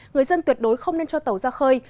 người dân tuyệt đối không nên cho tàu ra khơi